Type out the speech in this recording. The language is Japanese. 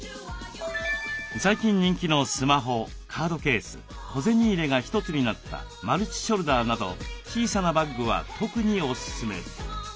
最近人気のスマホカードケース小銭入れが一つになったマルチショルダーなど小さなバッグは特におすすめ。